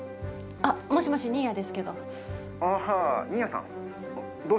あっ、もしもし、新谷ですけ新谷さん。